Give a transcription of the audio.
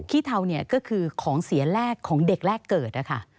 ขี้เทาก็คือของเสียแรกของเด็กแรกเกิด